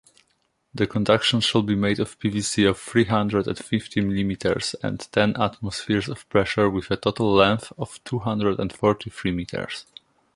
The conduction shall be made of PVC of three hundred and fifteen millimeters and ten atmospheres of pressure with a total length of two hundred and forty-three meters.